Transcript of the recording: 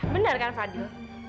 benar kan fadil